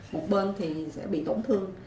một bên thì sẽ bị tổn thương